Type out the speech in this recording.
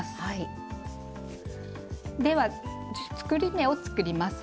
では作り目を作ります。